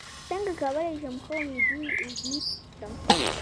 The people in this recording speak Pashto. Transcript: څنګه کولی شم ښه ویډیو ایډیټ کړم